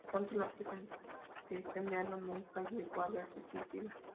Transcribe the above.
Por tanto, la pretensión de Ana nunca llegó a verse cumplida.